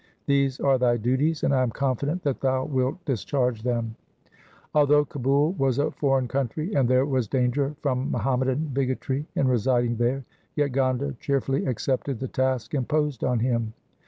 These are thy duties, and I am confident that thou wilt discharge them.' Although Kabul was a foreign country and there was danger from Muhammadan bigotry in residing there, yet Gonda cheerfully accepted the task imposed on him.